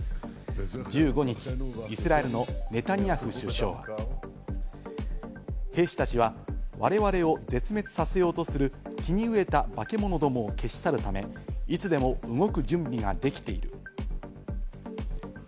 １５日、イスラエルのネタニヤフ首相は、兵士たちは我々を絶滅させようとする血に飢えた化け物どもを消し去るため、いつでも動く準備ができている。